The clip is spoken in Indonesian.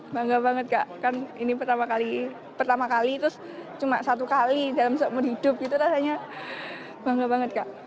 bangga banget kak kan ini pertama kali terus cuma satu kali dalam seumur hidup gitu rasanya bangga banget kak